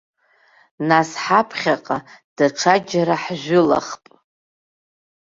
Нас ҳаԥхьаҟа даҽаџьара ҳжәылахп.